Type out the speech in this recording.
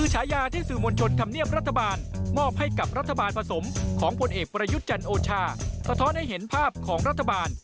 เหล่านำของผลเอกปรยุทธจันทร์โอชาสะท้อนให้เห็นภาพของรัฐบาล